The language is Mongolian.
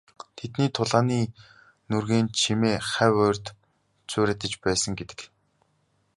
Тэдний тулааны нүргээн чимээ хавь ойрд нь цуурайтаж байсан гэдэг.